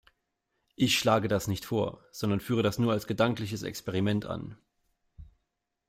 Ich schlage das nicht vor, sondern führe das nur als gedankliches Experiment an.